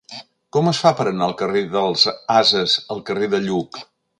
Com es fa per anar del carrer dels Ases al carrer de Lluc?